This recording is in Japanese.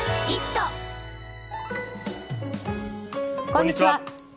こんにちは。